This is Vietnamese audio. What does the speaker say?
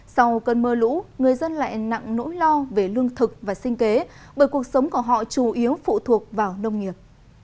sau cơn mưa lũ người dân lại nặng nỗi lo về lương thực và sinh kế bởi cuộc sống của họ chủ yếu phụ thuộc vào nông nghiệp